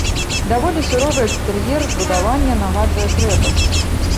Даволі суровы экстэр'ер збудавання нагадвае крэпасць.